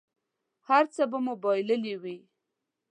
هر څه به مو بایللي وي.